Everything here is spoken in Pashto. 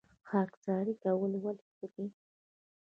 خاکساري کول ولې ښه دي؟